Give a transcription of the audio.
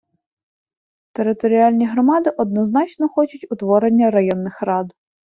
Територіальні громади однозначно хочуть утворення районних рад.